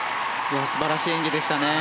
素晴らしい演技でしたね。